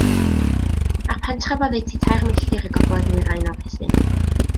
Mae'r pentref oddeutu tair milltir i'r gogledd-ddwyrain o Ruthun.